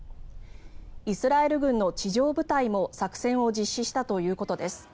イスラエル軍の地上部隊も作戦を実施したということです。